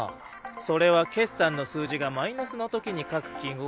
それは決算の数字がマイナスの時に書く記号で。